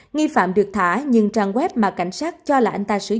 nghi phạm được thả nhưng trang web mà cảnh sát cho là anh ta sử dụng